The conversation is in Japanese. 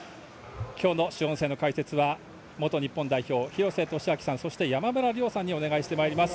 今日の主音声の解説は元日本代表、廣瀬俊朗さんそして山村亮さんにお願いしています。